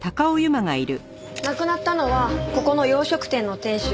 亡くなったのはここの洋食店の店主今井信彦さん